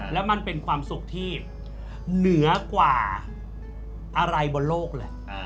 แล้วมันเป็นความสุขที่เหนือกว่าอะไรบนโลกแหละ